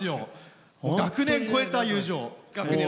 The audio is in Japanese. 学年を超えた友情。